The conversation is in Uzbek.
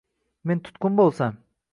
Men tutqun bo’lsam